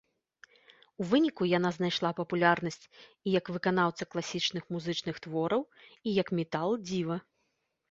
У выніку яна знайшла папулярнасць і як выканаўца класічных музычных твораў, і як метал-дзіва.